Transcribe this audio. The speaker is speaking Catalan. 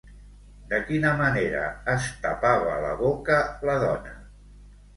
De quina manera es tapava la boca la dona?